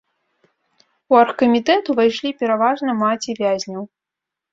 У аргкамітэт увайшлі пераважна маці вязняў.